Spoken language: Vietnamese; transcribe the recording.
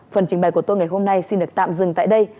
phần trình bày của tôi ngày hôm nay xin được tạm dừng tại đây